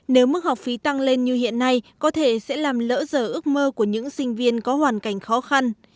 nếu mức học phí tăng lên như hiện nay có thể sẽ làm lỡ dở ước mơ của những sinh viên có hoàn cảnh khó khăn